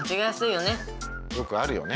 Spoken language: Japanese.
よくあるよね。